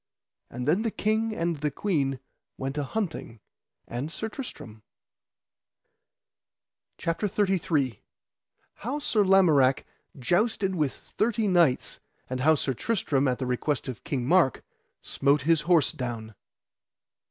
And then the king and the queen went a hunting, and Sir Tristram. CHAPTER XXXIII. How Sir Lamorak jousted with thirty knights, and Sir Tristram at the request of King Mark smote his horse down.